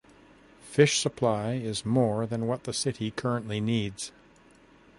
Fish supply is more than what the city currently needs.